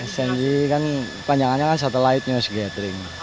sng kan panjangannya kan satelit news gathering